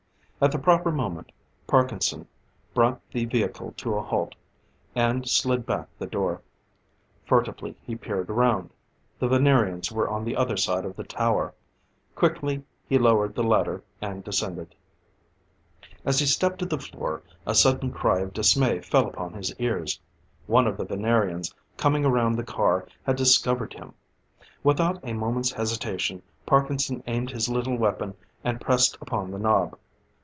At the proper moment, Parkinson, brought the vehicle to a halt, and slid back the door. Furtively he peered around. The Venerians were on the other side of the tower. Quickly he lowered the ladder and descended. As he stepped to the floor, a sudden cry of dismay fell upon his ears. One of the Venerians, coming around the car, had discovered him. Without a moment's hesitation, Parkinson aimed his little weapon, and pressed upon the knob.